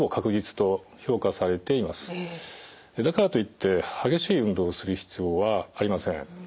だからといって激しい運動をする必要はありません。